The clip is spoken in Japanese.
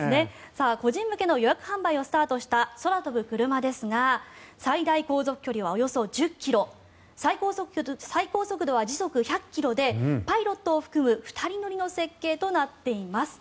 個人向けの予約販売をスタートした空飛ぶクルマですが最大航続距離はおよそ１０ｋｍ最高速度は時速１００ｋｍでパイロットを含む２人乗りの設計となっています。